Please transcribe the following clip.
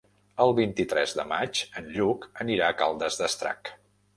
El vint-i-tres de maig en Lluc anirà a Caldes d'Estrac.